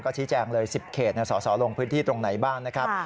ชี้แจงเลย๑๐เขตสสลงพื้นที่ตรงไหนบ้างนะครับ